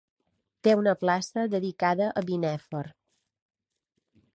Té una plaça dedicada a Binèfar.